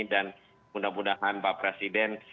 dan mudah mudahan pak presiden